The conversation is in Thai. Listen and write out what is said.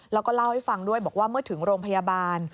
แล้วก็เล่าให้ฟังด้วยบอกว่าเมื่อถึงโรงพยาบาล